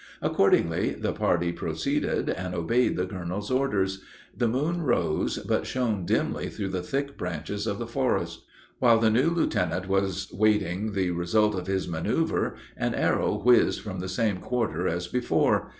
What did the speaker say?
Accordingly, the party proceeded, and obeyed the colonel's orders. The moon rose, but shone dimly through the thick branches of the forest. While the new lieutenant was waiting the result of his manoeuver, an arrow whizzed from the same quarter as before.